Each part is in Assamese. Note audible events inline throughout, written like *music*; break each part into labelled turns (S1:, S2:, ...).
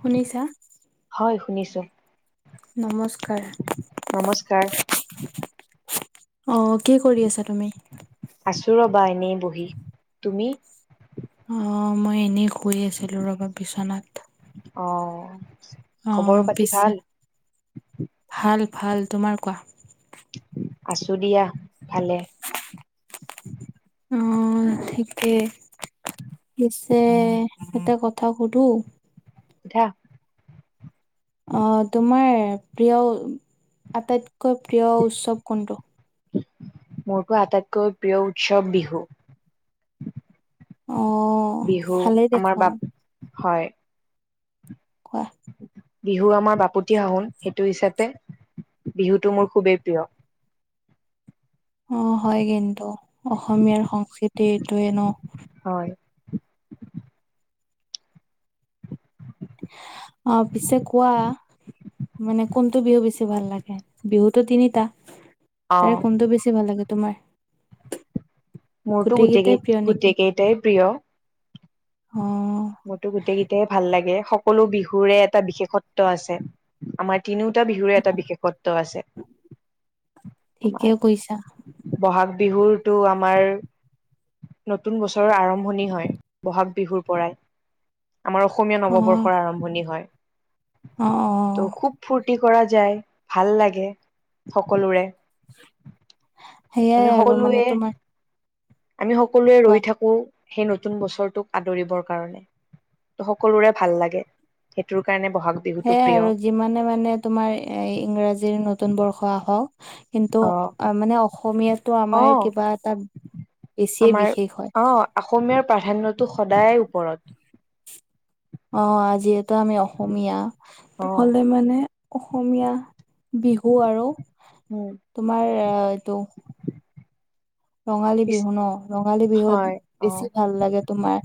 S1: শুনিছা?
S2: হয় শুনিছোঁ।
S1: নমস্কাৰ।
S2: নমস্কাৰ।
S1: অ কি কৰি আছা তুমি?
S2: আছোঁ ৰবা এনেই বহি তুমি।
S1: অ মই এনেই শুই আছিলো ৰবা বিছনাত।
S2: অ।
S1: অ
S2: খবৰ পাতি
S1: পিছে
S2: ভাল
S1: ভাল ভাল তোমাৰ। কোৱা?
S2: আছোঁ দিয়া ভালেই।
S1: অ ঠিকে পিছে এটা কথা সুধোঁ?
S2: *inaudible*
S1: অ তোমাৰ প্ৰিয় আটাইতকৈ প্ৰিয় উৎসৱ কোনটো?
S2: মোৰতো আটাইতকৈ প্ৰিয় উৎসৱ বিহু।
S1: অঁ।
S2: বিহু আমাৰ বাপ হয়
S1: *inaudible*
S2: বিহু আমাৰ বাপতিসাহোন সেইটো হিচাপে বিহুটো মোৰ খুবেই প্ৰিয়।
S1: অ হয় কিন্তু অসমীয়াৰ সংস্কৃতি এইটোৱে ন।
S2: হয়।
S1: অ পিছে কোৱা? মানে কোনটো বিহু বেছি ভাল লাগে বিহুটো তিনিটা তাৰে
S2: অ'
S1: কোনটো বেছি ভাল লাগে তোমাৰ?
S2: মোৰতো
S1: গোটেই কেইটাই প্ৰিয়
S2: গোটেইকেই
S1: নেকি?
S2: গোটেইকেইটাই প্ৰিয়।
S1: অঁ।
S2: মোৰতো গোটেইকেইটাইে ভাল লাগে সকলো বিহুৰে এটা বিশেষত্ব আছে আমাৰ তিনিওটা বিহুৰে এটা বিশেষত্ব আছে
S1: ঠিকে কৈছা।
S2: আমাৰ। বহাগ বিহুটো আমাৰ নতুন বছৰ আৰম্ভণি হয় বহাগ বিহুৰ পৰাই। আমাৰ অসমীয়া
S1: অ',
S2: নৱবৰ্ষৰ আৰম্ভণি হয়।
S1: অ অ।
S2: ত' খুব ফুৰ্তি কৰা যায় ভাল লাগে সকলোৰে। আমি
S1: সেইয়াই আৰু
S2: সকলোৱে
S1: মানে তোমাৰ
S2: আমি সকলোৱে
S1: কোৱা
S2: ৰৈ থাকো সেই নতুন বছৰটোক আদৰিবৰ কাৰণে। ত সকলোৰে ভাল লাগে সেইটোৰ কাৰণে ব'হাগ বিহুটো
S1: সেয়াই
S2: প্ৰিয়
S1: আৰু যিমানে মানে তোমাৰ ইংৰাজীৰ নতুন বৰ্ষ আহক কিন্তু
S2: অ
S1: মানে অসমীয়াটো
S2: অ
S1: আমাৰ কিবা এটা বেছিয়ে
S2: আমাৰ
S1: বিশেষ হয়।
S2: অ অসমীয়াৰ প্ৰাধান্যটো সদায় ওপৰত।
S1: অঁ যিহেতু আমি অসমীয়া, টু
S2: অ
S1: হ'লে মানে- অসমীয়া বিহু আৰু-
S2: হয়।
S1: তোমাৰ এইটো- ৰঙালী
S2: পিছ
S1: বিহু ন, ৰঙালী
S2: হয়
S1: বিহুত
S2: অ
S1: বেছি ভাল লাগে তোমাৰ।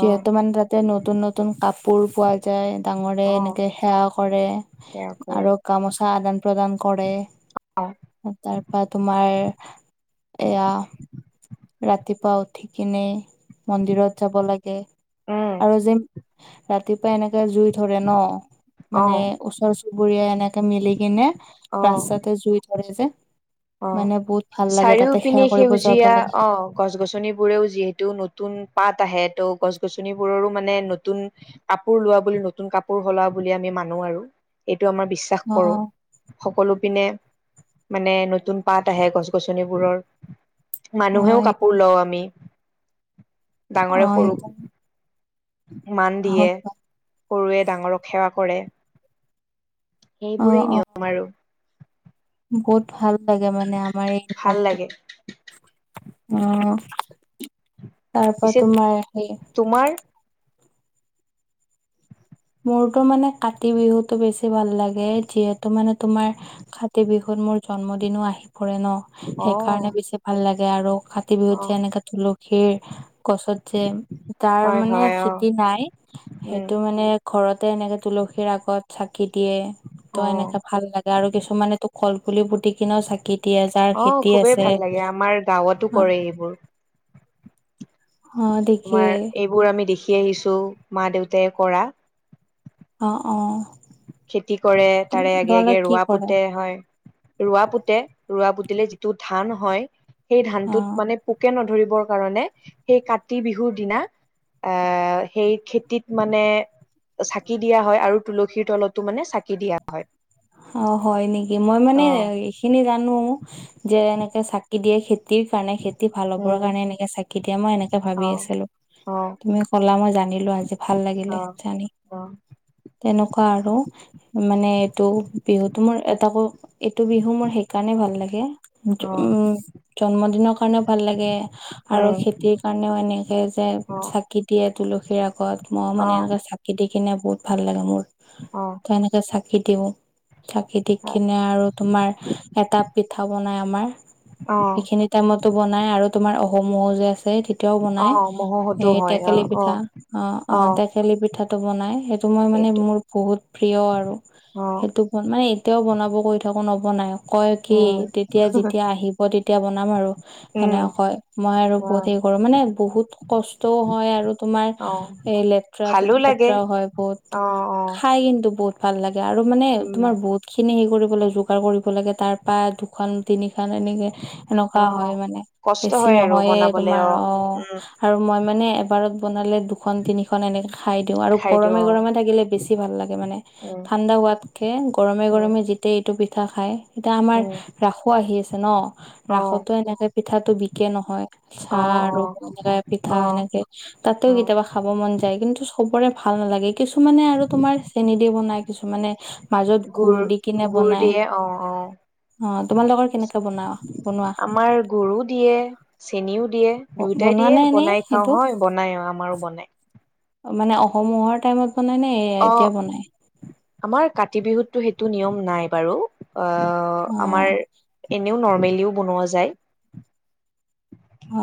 S2: অ
S1: মানে তাতে নতুন নতুন কাপোৰ পোৱা যায় ডাঙৰে
S2: অ
S1: এনেকে সেৱা কৰে।
S2: সেয়া কৰে।
S1: আৰু গামোচা আদান প্ৰদান কৰে,
S2: অ
S1: তাৰপা তোমাৰ- এয়া ৰাতিপুৱা উঠি কিনেই মন্দিৰত যাব লাগে।
S2: উম'।
S1: আৰু ৰাতিপুৱা এনেকে জুই ধৰে ন
S2: অ
S1: মানে, ওচৰ- চুবুৰীয়াই এনেকে মিলি কিনে
S2: অ
S1: ৰাস্তাতে জুই ধৰে যে।
S2: অ
S1: মানে বহুত ভাল লাগে তাতে সেৱা কৰিব যাব লাগে।
S2: গছ গছনিবোৰেও যিহেতু নতুন পাত আহে ত' গছ গছনিবোৰৰো মানে নতুন- কাপোৰ লোৱা বুলি নতুন কাপোৰ সলোৱা বুলি আমি মানো আৰু, এইটো আমাৰ বিশ্ব- শ্বাস
S1: অ
S2: কৰোঁ, সকলো পিনে মানে- তুন পাত আহে গছ গছনিবোৰৰ
S1: অ
S2: মানুহেও কাপোৰ
S1: সেইকাৰণে
S2: লওঁ আমি।
S1: অ
S2: ডাঙৰে সৰুক-
S1: সেইকাৰণে
S2: মান
S1: অ
S2: দিয়ে সৰুৱে ডাঙৰক সেৱা কৰে। সেইবোৰেই
S1: অ
S2: নিয়ম আৰু।
S1: বহুত ভাল লাগে মানে আমাৰ এই
S2: ভাল
S1: নিয়মটো।
S2: লাগে
S1: অঁ তাৰপা
S2: পিছে
S1: তোমাৰ সেই-
S2: তোমাৰ-
S1: মোৰতো মানে কাতি বিহুতো বেছি ভাল লাগে, যিহেতু মানে তোমাৰ- কাতি বিহুত মোৰ জন্মদিনো আহি পৰে ন,
S2: অ
S1: সেইকাৰণে বেছি ভাল লাগে আৰু। কাতি বিহুত
S2: অ
S1: যে এনেকা তুলসীৰ- গছত যে যাৰ
S2: হয়
S1: মানে
S2: হয় অ
S1: খেতি নাই,
S2: উম
S1: সেইটো মানে- ঘৰতে এনেকে তুলসীৰ আগত চাকি দিয়ে ত
S2: অ
S1: এনেকে ভাল লাগে। গে আৰু কিছুমানে তো কল পুলি পুতি কিনেও চাকি- দিয়ে যাৰ
S2: অ
S1: খেতি
S2: খুবেই
S1: আছে।
S2: ভাল লাগে আমাৰ গাঁৱতো
S1: অঁ।
S2: কৰে এইবোৰ তোমাৰ এইবোৰ আমি দেখি আহিছো মা দেউতাই কৰা।
S1: অঁ অঁ।
S2: খেতি কৰে তাৰে আগে আগে
S1: কি
S2: ৰোৱা
S1: কৰে
S2: পোতে হয়। ৰোৱা পোতে ৰোৱা পুতিলে যিটো ধান হয়, সেই
S1: অ
S2: ধানটোত মানে- পোকে নধৰিবৰ কাৰণে সেই কাতি বিহুৰ দিনা- এ সেই খেতিত মানে চাকি দিয়া হয় আৰু তুল- খীৰ তলতো মানে চাকি দিয়া হয়।
S1: অঁ হয় নেকি? মই
S2: অ
S1: মানে- সেখিনি জানো, যে এনেকে চাকি দিয়ে খেতিৰ কাৰণে খেত- তি ভাল হ'বৰ
S2: উম
S1: কাৰণে এনেকে চাকি দিয়ে, মই এনেকে ভাবি
S2: অ
S1: আছিলো।
S2: অ
S1: তুমি কলা মই জানিলো আজি ভাল লাগিলে
S2: অ
S1: জানি।
S2: অ
S1: তেনেকুৱা আৰু মানে, এইটো বিহুটো মোৰ তাকো- এইটো বিহু মোৰ সেইকাৰণে ভাল লাগে,
S2: অ
S1: উম জন্মদিনৰ কাৰণেও ভাল লাগে- আৰু
S2: উম
S1: খেতিৰ কাৰণেও এনেকে যে
S2: অ
S1: চাকি দিয়ে তুলসীৰ আগত, মই
S2: অ
S1: মানে এনেকে চা- কি দিকেনে বহুত ভাল লাগে মোৰ।
S2: অ।
S1: সেনেকে চাকি দিওঁ। চাকি দি
S2: অ
S1: কিনে আৰু তোমাৰ এটা পিঠা বনাই আমাৰ
S2: অ
S1: সেইখিনিত টাইমতো বনাই আৰু তোমাৰ অসমহো যে আছে তে তিয়াও
S2: অ
S1: বনাই
S2: মহহতো
S1: এই
S2: হয় অ
S1: টেকেলি
S2: অ
S1: পিঠা অ অ। টেকেলি পিঠাটো বনাই সেইটো মই মানে মোৰ বহুত প্ৰিয় আৰু
S2: অ
S1: সেইটো মানে এতিয়াও বনাব কৈ থাকো নবনাই কয় কি
S2: উম
S1: তেতিয়া যেতিয়া আহি ব তেতিয়া বনাম আৰু।
S2: উম
S1: সেনেকে কয় মই আৰু
S2: অ
S1: বহুত হে কৰো মানে বহুত কষ্টও হয় আৰু তোমাৰ
S2: অ
S1: এ লেতৰা
S2: ভালো লাগে
S1: লেতৰাও হয় বহুত,
S2: অ অ
S1: খাই কিন্তু বহুত ভাল লাগে আৰু মানে
S2: উম
S1: তোমাৰ বহুত খিনি হেৰি কৰিব লাগে যোগাৰ কৰিব লাগে তাৰপৰা দুখন, তিনিখন এনেকে
S2: অ
S1: সেনেকুৱা হয় মানে
S2: কষ্ট
S1: বেছি
S2: হয় আৰু
S1: নহয়ে
S2: বনাবলে
S1: তোমাৰ অ
S2: উম
S1: আৰু মই মানে এবাৰত বনালে দুখন তিনিখন এনেকে খাই দিওঁ আৰু
S2: খাইতো
S1: গৰমে
S2: অ
S1: গৰমে থাকিলে বেছি ভাল লাগে মানে
S2: উম
S1: ঠাণ্ডা হোৱাতযে গৰমে
S2: উম
S1: গৰমে যেতিয়া এইটো পিঠা খায় এতিয়া আমাৰ
S2: উম
S1: ৰাসো আহি আছে ন
S2: অ
S1: ৰাসতো এনেকে পিঠাটো বিকে নহয়। চাহ
S2: অ অ
S1: আৰু এনেকা পিঠা
S2: অ
S1: এনেকে তাতেও
S2: অ
S1: কেতিয়াবা খাব মন যায় কিন্তু চবৰে ভাল নালাগে কিছুমানে আৰু তোমাৰ চেনি দি বনাই, কিছুমানে মাজত
S2: গুৰ
S1: দি কিনে
S2: গুৰ
S1: বনাই
S2: দিয়ে অ অ।
S1: অ তোমালোকৰ কেনেকে বনাও বনোৱা
S2: আমাৰ গুৰো দিয়ে, চেনিও দিয়ে। দুয়োটাই
S1: বনোৱা
S2: দিয়ে
S1: নে এনেই
S2: বনাই খাও
S1: সেইটো
S2: হয় বনাই আমাৰো বনাই।
S1: মানে অসম মহৰ টাইমত বনাই নে
S2: অ
S1: এতিয়া বনাই
S2: আমাৰ কাতি বিহুতটো সেইটো নিয়ম নাই বাৰু অ অ
S1: অ
S2: আমাৰ এনেও নৰ্মেলিও বনোৱা যায়।
S1: অ।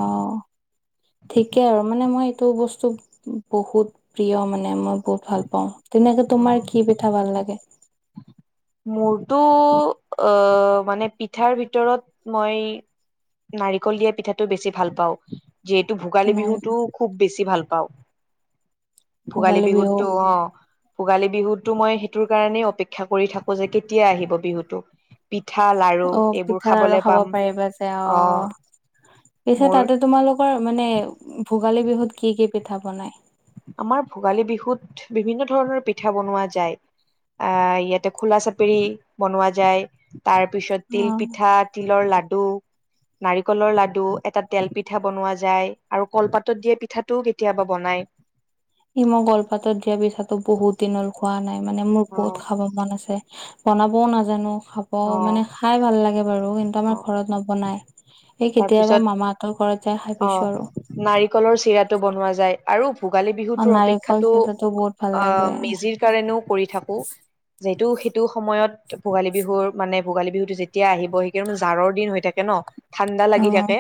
S1: ঠিকেই আৰু মানে মই এইটো বস্তু বহুত প্ৰিয় মানে মই বহুত ভাল পাওঁ। তেনেকে তোমাৰ কি পিঠা ভাল লাগে?
S2: মোৰটো অ মানে পিঠাৰ ভিতৰত মই নাৰিকল দিয়া পিঠাটো বেছি ভাল পাওঁ। যিহেতু ভোগালী
S1: নাৰিকল
S2: বিহুটো খুব বেছি ভাল পাওঁ। ভোগালী বিহুতটো অ, ভোগালী বিহুতটো মই সেইটোৰ কাৰণেই অপেক্ষা কৰি থাক কো যে কেতিয়া আহিব বিহুতো। পিঠা, লাৰু
S1: অ
S2: এইবোৰ
S1: পিঠা আৰু
S2: খাবলে
S1: খাব
S2: পাম
S1: পাৰিবা যে অ
S2: আহ।
S1: পিছে তাতে তোমালোকৰ মানে ভোগালী বিহুত কি কি পিঠা বনাই?
S2: আমাৰ ভোগালী বিহুত বিভিন্ন ধৰণৰ পিঠা বনোৱা যায়। আহ ইয়াতে খোলা চাপেৰি বনোৱা যায়, তাৰ পিছত
S1: অ
S2: তিল পিঠা তিলৰ লাডু নাৰিকলৰ লাড়ু, এটা তেল পিঠা বনোৱা যায়, আৰু কলপাতত দিয়া পিঠাটোও কেতিয়াবা বনায়।
S1: ই মই কলপাতত দিয়া পিঠাটো বহুত দিন হল খোৱা নাই মানে, মোৰ
S2: অ
S1: বহুত খাব মন আছে। বনাবও নাজানো, খাব
S2: অ
S1: মানে খাই ভাল লাগে বাৰু কিন্তু আমাৰ
S2: অ',
S1: ঘৰত নবনাই। সেই কেতিয়াবা
S2: তাৰপিছত
S1: মামাহঁতৰ ঘৰত যাই খাই
S2: অ
S1: পাইছোঁ আৰু।
S2: নাৰিকলৰ চিৰাটো বনোৱা যায়। আৰু ভোগালী
S1: অ
S2: বিহুটোৰ
S1: নাৰিকল
S2: অপেক্ষাটো
S1: চিৰাটো বহুত ভাল
S2: অ
S1: লাগে
S2: মেজিৰ কাৰণেও কৰি থাকো, যিহেতু সেইটো সময়ত ভোগালী বিহুৰ মানে ভোগালী বিহুতো যে এতিয়া আহিব সেইকাৰণ জাৰৰ দিন হৈ থাকে ন ঠাণ্ডা লাগি
S1: অ',
S2: থাকে,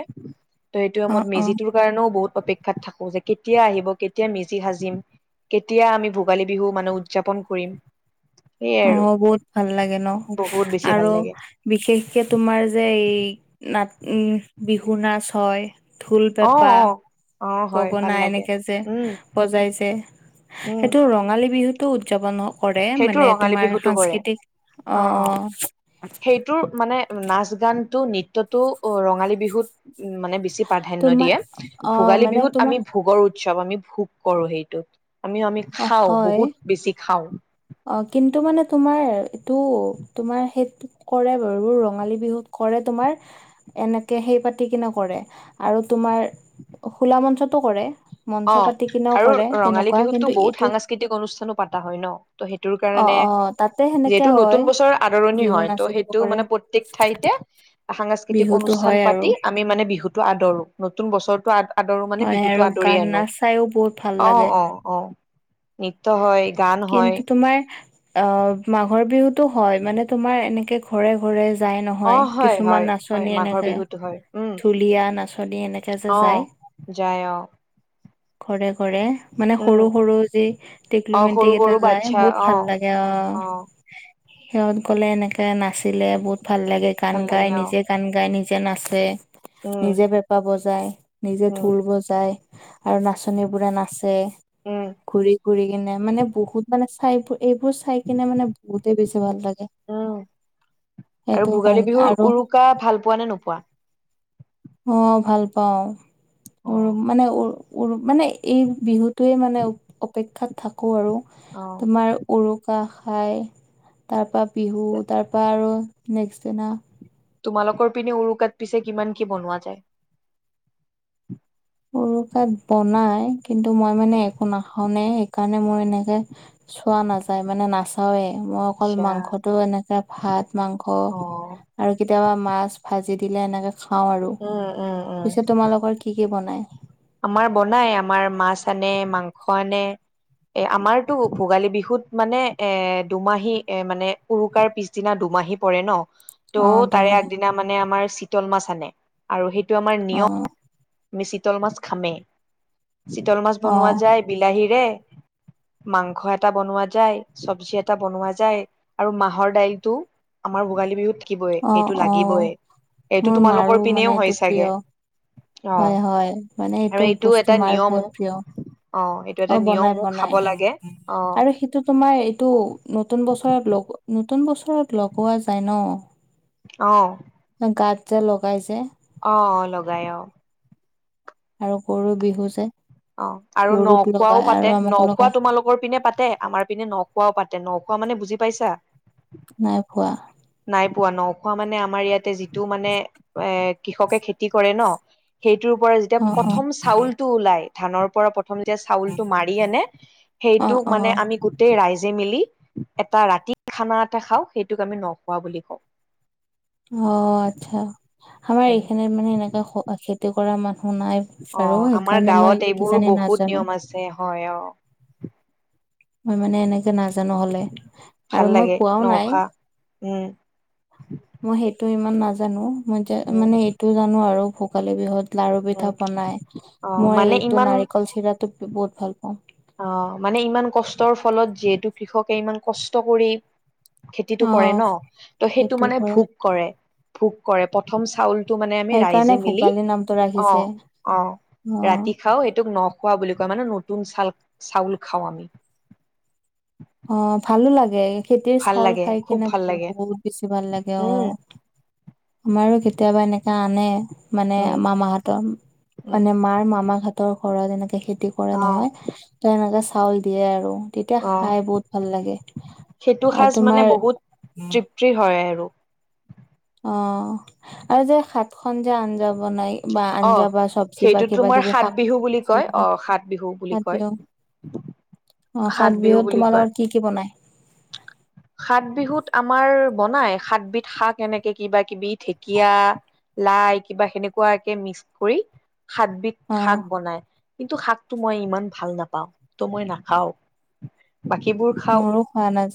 S2: ত সেইটো সময়ত
S1: অ', অ',
S2: মেজিটো কাৰণেও বহুত অপেক্ষাত থাকো যে কেতিয়া আহিব কেতিয়া মেজি সাজিম। কেতিয়া আমি ভোগালী বিহু মানে উদযাপন কৰিম। সেইয়াই
S1: অ
S2: আৰু
S1: বহুত ভাল লাগে ন,
S2: বহুত বেছি ভাল
S1: আৰু
S2: লাগে।
S1: বিশেষকে তোমাৰ যে এই না বিহু নাচ হয়। ঢোল
S2: অ
S1: পেঁপা।
S2: অ অ হয় ভাল
S1: গগনা
S2: লাগে
S1: এনেকে যে
S2: উম
S1: বজাইছে
S2: উম
S1: সেইটো ৰঙালী বিহুটো উদযাপন কৰে
S2: সেইটো
S1: মানে
S2: ৰঙালী
S1: তোমাৰ
S2: বিহুটো কৰে
S1: সাংস্কৃতিক অ অ
S2: সেইটোৰ মানে নাচ গানটো নৃত্যটো ৰঙালী বিহুত উম মানে বেছি প্ৰাধান্য
S1: তোমাৰ
S2: দিয়ে
S1: অ',
S2: ভোগালী
S1: মানে
S2: বিহুত
S1: তোমাৰ
S2: আমি ভোগৰ উৎসৱ আমি ভোগ কৰোঁ সেইটোত আমি আমি
S1: অ',
S2: খাওঁ
S1: হয়
S2: বহুত বেছি খাওঁ।
S1: অ কিন্তু মানে তোমাৰ এইটো তোমাৰ সেই কৰে বাৰু ৰঙালী বিহুত কৰে তোমাৰ। এনেকে সেই পাতি কিনে কৰে আৰু তোমাৰ খোলা মঞ্চতো কৰে।
S2: অ
S1: মঞ্চ পাতি কিনেও
S2: আৰু
S1: কৰে
S2: ৰঙালী
S1: তেনেকুৱা
S2: বিহুতো
S1: কিন্তু
S2: বহুত
S1: এইটো
S2: সাংস্কৃতিক অনুষ্ঠানো পাতা হয় ন। ত' সেইটোৰ
S1: অ
S2: কাৰণে
S1: অ তাতে সেনেকে
S2: যিহেতু নতুন
S1: হয়
S2: বছৰ আদৰণি
S1: বিহু
S2: হয় ত'
S1: নাচে কিবা
S2: সেইটো
S1: কৰে
S2: মানে প্ৰত্যেক ঠাইতেই সাংস্কৃতিক
S1: বিহুতো
S2: অনুষ্ঠান
S1: হয় আৰু
S2: পাতি আমি মানে বিহুতো আদৰো নতুন বছৰতো আ আদৰো মানে
S1: হয়
S2: বিহুটো
S1: আৰু
S2: কৰি
S1: গান
S2: আনো
S1: নাচ চাইও বহুত ভাল
S2: অ
S1: লাগে
S2: অ অ নৃত্য হয় গান
S1: কিন্তু
S2: হয়।
S1: তোমাৰ আ মাঘৰ বিহুতো হয় মানে তোমাৰ এনেকে ঘৰে ঘৰে যাই
S2: অ
S1: নহয়
S2: হয়
S1: কিছুমান
S2: হয় হয়
S1: নাচনি
S2: মাঘৰ
S1: এনেকে
S2: বিহুতো হয় উম
S1: ঢুলীয়া নাচনী এনেকেই
S2: অ যায় অ।
S1: ঘৰে ঘৰে মানে
S2: উম
S1: সৰু সৰু যি টিকলো
S2: অ
S1: মেটি
S2: সৰু
S1: কেইটা
S2: সৰু
S1: যাই
S2: বাচ্ছা
S1: বহুত
S2: অ
S1: ভাল লাগে
S2: অ
S1: আৰু। সিহঁত গলে এনেকে নাচিলে বহুত ভাল লাগে
S2: ভাল
S1: গান
S2: লাগে
S1: গাই
S2: অ
S1: নিজেই গান গাই নিজে নাচে
S2: উম
S1: নিজে পেঁপা বজায় নিজে
S2: উম
S1: ঢোল বজায়। আৰু নাচনী বোৰে নাচে
S2: উম
S1: ঘূৰি ঘুৰি কিনে মানে বহুত মানে চাই এইবোৰ চাই কিনে মানে বহুতেই বেছি ভাল লাগে।
S2: উম আৰু
S1: সেইটো
S2: ভোগালী
S1: কাৰণে
S2: বিহুৰ
S1: আৰু
S2: উৰুকা ভাল পোৱা নে নোপোৱা?
S1: মই ভাল পাওঁ উ
S2: অ',
S1: মানে উ মানে এই বিহুটোৱে মানে অপেক্ষাত থাকো আৰু
S2: অ'।
S1: তোমাৰ উৰুকা খাই তাৰপৰা বিহু তাৰপৰা আৰু নেক্সট দিনা
S2: তোমালোকৰ পিনে উৰুকাত পিছে কিমান কি বনোৱা যায়?
S1: উৰুকাত বনাই কিন্তু মই মানে একো নাখাওঁ নে সেইকাৰণে মোৰ এনেকে চোৱা নাযায় মানে নাচ মই অকল
S2: আচ্ছা।
S1: মাংসটো এনেকে ভাত মাংস
S2: অ',
S1: আৰু কেতিয়াবা মাছ ভাজি দিলে এনেকে খাওঁ আৰু।
S2: উম, উম, উম।
S1: পিছে তোমালোকৰ কি কি বনাই? নাই।
S2: আমাৰ বনাই আমাৰ মাছ আনে মাংস আনে। এ আমাৰতো ভোগালী বিহুত মানে এ দুমাহী এ মানে উৰুকাৰ পিছদিনা দুমাহী পৰে ন।
S1: অ
S2: ত' তাৰে
S1: তোমাৰ
S2: আগদিনা মানে আমাৰ চিতল মাছ আনে আৰু সেইটো আমাৰ
S1: অ
S2: নিয়ম। আমি চিতল মাছ খামেই চিতল মাছ
S1: অ
S2: বনোৱা যায় বিলাহীৰে মাংস এটা বনোৱা যায় চব্জি এটা বনোৱা যায় আৰু মাহৰ দাইল টো আমাৰ ভোগালী বিহুত থাকিব
S1: অ
S2: সেইটো
S1: অ
S2: লাগিবই এইটো
S1: মোৰ মাৰো
S2: তোমালোকৰ
S1: মানে
S2: পিনেও
S1: এইটো
S2: হয়
S1: প্ৰিয়
S2: চাগে। অ
S1: হয় হয়, মানে এইটো বস্তু মাৰ বহুত প্ৰিয়।
S2: অঁ এইটো
S1: অ
S2: এটা নিয়মো খাব লাগে, অঁ।
S1: টো তোমাৰ এইটো নতুন বছৰত লগ নতুন বছৰত লগোৱা যায় ন।
S2: অঁ'।
S1: গাত যে লগাই যে।
S2: অঁ অঁ লগাই অঁ।
S1: আৰু গৰু বিহু যে।
S2: অঁ আৰু
S1: গৰুক
S2: ন-খোৱাও
S1: লগাই আৰু
S2: পাতে,
S1: আমাকো
S2: ন-খোৱা
S1: লগাই
S2: তোমালোক- কৰ পিনে পাতে আমাৰ পিনে নখোৱাও পাতে, নখোৱা মানে বুজি পাইছা?
S1: নাই খোৱা।
S2: নাই পোৱা, নখোৱা মানে আমাৰ ইয়াতে যিটো মানে এ কৃষকে খেতি কৰে ন- সেইটোৰ পৰা যেতিয়া
S1: অ অ
S2: প্ৰথম চাউল টো ওলাই, ধানৰ পৰা প্ৰ- প্ৰথম যেতিয়া চাউলটো মাৰি আনে,
S1: অ
S2: সেইটো
S1: অ
S2: মানে আমি গোট- টেই ৰাইজে মিলি এটা ৰাতিৰ খানা এটা খাওঁ, সেইটোক আমি নখোৱা বুলি কওঁ।
S1: অ আৎচ্ছা, আমাৰ
S2: উম
S1: এইখিনিত মানে এনেকোৱা হ খেত- তি কৰা মানুহ নাই
S2: অ
S1: বাৰু,
S2: আমাৰ
S1: সেইকাৰণে
S2: গাঁৱত
S1: মই
S2: এইবোৰ
S1: কিজানি
S2: বহুত
S1: নাজানো।
S2: নিয়ম আছে হয় অ
S1: মই মানে এনেকে নাজানো হলে। আৰু
S2: ভাল
S1: মই
S2: লাগে
S1: পোৱাও নাই
S2: নখোৱা, উম।
S1: মই সেইটো ইমান নাজানো, মই যে
S2: উম
S1: মানে এইটো জানো আৰু ভোগালী বিহুত- লাৰু
S2: উম
S1: পিঠা বনাই,
S2: অ
S1: মই
S2: মানে
S1: এইটো
S2: ইমান
S1: নাৰিকল চিৰাটো বহুত ভাল পাওঁ।
S2: অঁ মানে ইমান কষ্টৰ ফলত যিহেতু কৃষকে ইমান কষ্ট কৰি- খেতিটো
S1: অ
S2: কৰে ন, ত সেইটো মানে ভোগ কৰে ভোগ কৰে প্ৰথম চাউল- টো মানে আমি
S1: সেইকাৰণে
S2: ৰাইজে মিলি
S1: ভোগালী নামটো
S2: অঁ
S1: ৰাখিছে
S2: অঁ
S1: অ
S2: ৰাতি খাওঁ এইটোক ন- খোৱা বুলি কয়, মানে নতুন চাল চাউল খাওঁ আমি।
S1: অঁ ভালো লাগে। খেতিৰ
S2: ভাল
S1: চাউল
S2: লাগে
S1: খাই
S2: খুব
S1: কিনে
S2: ভাল লাগে
S1: বহুত বেছি ভাল লাগে অঁ।
S2: উম
S1: আমাৰো কেতিয়াবা এনেকা আনে মানে
S2: উম
S1: মামা হঁত- তম,
S2: উম
S1: মানে মাৰ মামা হতৰ ঘৰত এনেকে খেতি কৰে
S2: অ
S1: নহয়। তেনেকে চাউল দিয়ে আৰু তেতিয়া-
S2: অ
S1: খাই বহুত ভাল লাগে, আৰু তোমাৰ-
S2: পুষ্টি হয় আৰু।
S1: অঁ আৰু যে হাত খন যে আঞ্জা বনাই- বা
S2: অ
S1: আঞ্জা বা চব্জি বা
S2: সেইটো
S1: কিবা
S2: তোমাৰ
S1: কিবি
S2: সাত
S1: শাক
S2: বিহু বুলি
S1: পাচলি
S2: কয় অ
S1: বনাই-
S2: সাত বিহু বুলি কয়
S1: অঁ সাত
S2: বিহু
S1: বিহুত
S2: বুলি কয়
S1: তোমালোকৰ কি কি বনাই?
S2: সাত বিহুত আমাৰ বনাই সাতবিধ শাক এনেকে কিবা কিবি ঢেকীয়া- লাই কিবা সেনেকুৱাকে মিক্স কৰি সাতবিধ-
S1: অ
S2: শাক বনাই, কিন্তু শাকটো মই ইমান ভাল নাপাওঁ ত মই নাখাওঁ। বাকীবোৰ- খাওঁ
S1: মোৰো খোৱা নাযায়।